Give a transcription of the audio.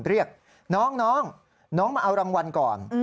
เรียกน้องน้องมาเอารางวัลก่อน